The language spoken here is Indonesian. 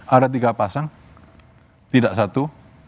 ada tiga pasang tidak satu